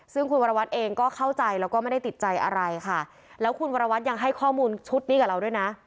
ซึ่งคุณวรวัตรเองก็เข้าใจแล้วก็ไม่ได้ติดใจอะไรค่ะแล้วคุณวรวัตรยังให้ข้อมูลชุดนี้กับเราด้วยนะ